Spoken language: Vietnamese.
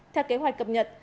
theo kế hoạch cập nhật